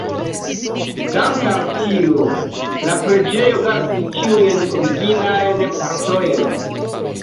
Dank' al tio la preĝejo gardis ĉiujn originajn partojn.